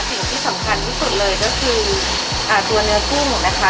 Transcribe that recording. สิ่งที่สำคัญที่สุดเลยก็คือตัวเนื้อกุ้งนะคะ